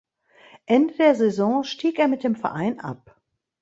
Ende der Saison stieg er mit dem Verein ab.